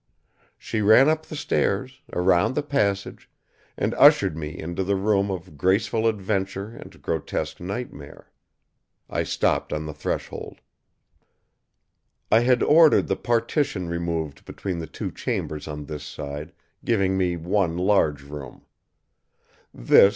She ran up the stairs, around the passage, and ushered me into the room of graceful adventure and grotesque nightmare. I stopped on the threshold. I had ordered the partition removed between the two chambers on this side, giving me one large room.